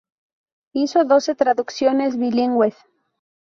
Hizo doce traducciones bilingües.